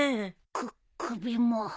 くっ首も。